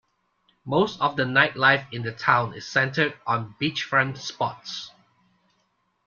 Most of the nightlife in the town is centred on beachfront spots.